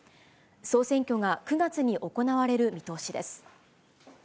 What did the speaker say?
総選挙が９月に行われる見通しです。